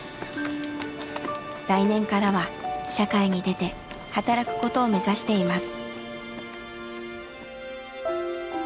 来年からは社会に出て働くことを目指しています。